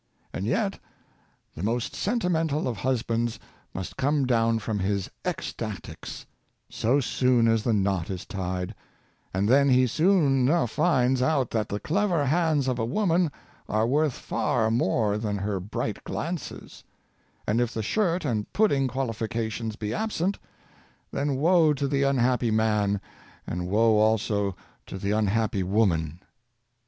And yet the most sentimental of husbands must come down from his " ecstatics " so soon as the knot is tied, and then he soon enough finds out that the clever hands of a woman are worth far more than her bright glances; and if the shirt and pudding qualifications be absent, then woe to the unhappy man, and woe also to the Unhealthy Homes. 43 unhapp}^ woman!